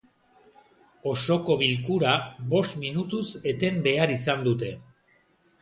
Osoko bilkura bost minutuz eten behar izan dute.